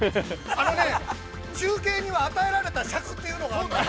◆あのね、中継には与えられた尺というのがあるんだよ。